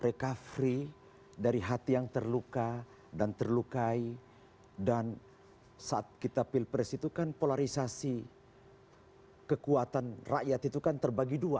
recovery dari hati yang terluka dan terlukai dan saat kita pilpres itu kan polarisasi kekuatan rakyat itu kan terbagi dua